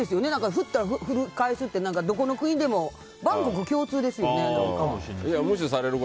振ったら振り返すってどこの国でも万国共通ですよね。